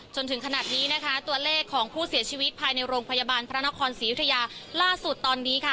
จนถึงขนาดนี้นะคะตัวเลขของผู้เสียชีวิตภายในโรงพยาบาลพระนครศรียุธยาล่าสุดตอนนี้ค่ะ